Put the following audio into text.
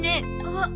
あっ！